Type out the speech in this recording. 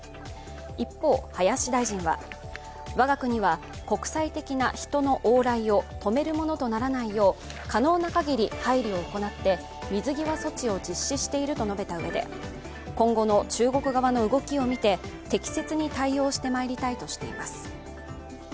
一方、林大臣は我が国は国際的な人の往来を止めるものとならないよう可能なかぎり配慮を行って水際措置を実施していると述べたうえで、今後の中国側の動きを見て適切に対応してまいりたいとしています。